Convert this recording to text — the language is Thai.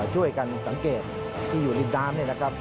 ช่วยกันสังเกตที่อยู่ริมน้ำนี่นะครับ